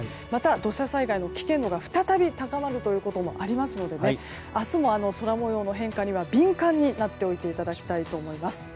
土砂災害の危険度が再び高まるということがありますので明日も空模様の変化には敏感になっていただきたいと思います。